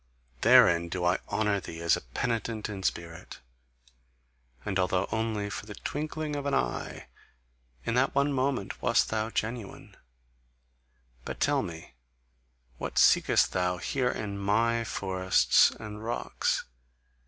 THEREIN do I honour thee as a penitent in spirit, and although only for the twinkling of an eye, in that one moment wast thou genuine. But tell me, what seekest thou here in MY forests and rocks?